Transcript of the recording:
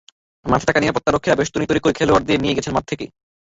মাঠে থাকা নিরাপত্তারক্ষীরা বেষ্টনী তৈরি করে খেলোয়াড়দের নিয়ে গেছেন মাঠ থেকে।